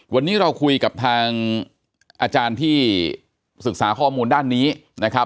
วันนี้เราคุยกับทางอาจารย์ที่ศึกษาข้อมูลด้านนี้นะครับ